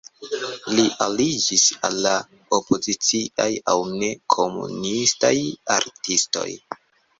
Li aliĝis al la opoziciaj aŭ ne-komunistaj artistoj.